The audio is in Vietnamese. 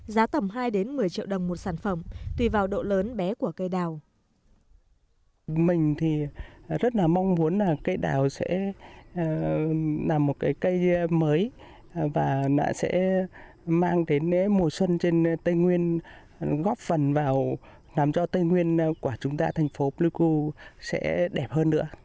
giá tầm hai một mươi triệu đồng một sản phẩm tùy vào độ lớn bé của cây đào